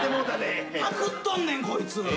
パクっとんねんこいつ。